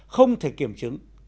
không thể kiểm chứng